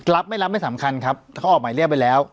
รับไม่รับไม่สำคัญครับเขาออกหมายเรียกไปแล้ว